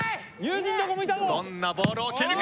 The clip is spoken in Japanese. どんなボールを蹴るか？